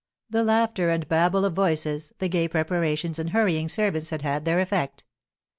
The laughter and babel of voices, the gay preparations and hurrying servants, had had their effect.